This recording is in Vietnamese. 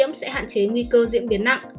nhiễm sẽ hạn chế nguy cơ diễn biến nặng